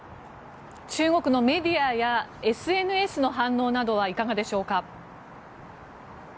中国のメディアやＳＮＳの反応などはいかがでしょうか。